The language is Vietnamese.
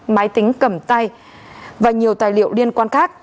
máy tính cầm tay và nhiều tài liệu liên quan khác